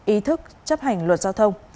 ý thức chấp hành luật giao thông